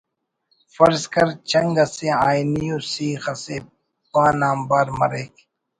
فرض کر چنگ اسہ آہنی ءُ سیخ اسے پان آنبار مریک